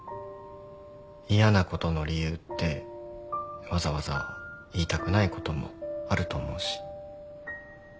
嫌なことの理由ってわざわざ言いたくないこともあると思うし。